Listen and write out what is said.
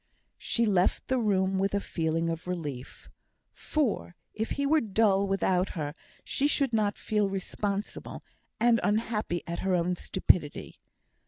She left the room with a feeling of relief; for if he were dull without her, she should not feel responsible, and unhappy at her own stupidity.